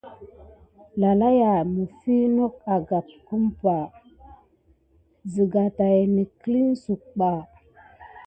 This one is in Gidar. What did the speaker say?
Lalaya mifi nok agamp puna bay abay siga tät niklte suck ɓa.